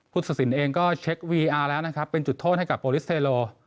ตัดสินเองก็เช็ควีอาร์แล้วนะครับเป็นจุดโทษให้กับโปรลิสเทโล